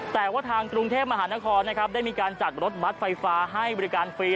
แต่ว่าทางกรุงเทพมหานครได้จัดรถบั๊ตไฟฟ้าให้บริการฟรี